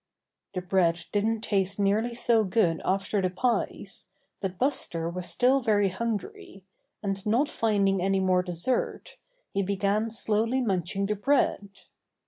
The bread didn't taste nearly so good after the pies, but Buster was still very hungry, and, not finding any more dessert, he began slowly munching the bread.